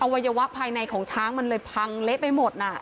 วัยวะภายในของช้างมันเลยพังเละไปหมดน่ะ